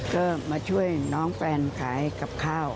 ก็มาช่วยน้องแฟนขายกับข้าว